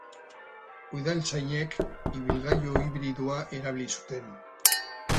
Udaltzainek ibilgailu hibridoa erabili zuten.